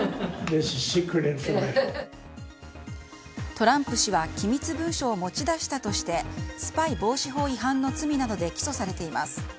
トランプ氏は機密文書を持ち出したとしてスパイ防止法違反の罪などで起訴されています。